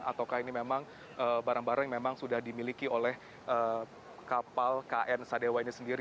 ataukah ini memang barang barang yang memang sudah dimiliki oleh kapal kn sadewa ini sendiri